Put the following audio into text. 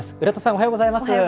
浦田さん、おはようございます。